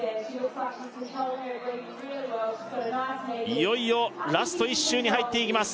いよいよラスト１周に入っていきます